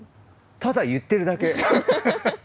「ただ言ってるだけ」。